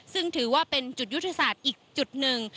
ซึ่งถือว่าเป็นจุดยุทธศาสตร์อีกจุดหนึ่ง